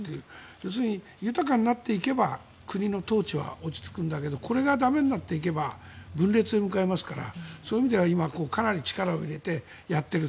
要するに豊かになっていけば国の統治は落ち着くんだけどこれが駄目になっていけば分裂へ向かいますからそういう意味ではかなり力を入れてやっている。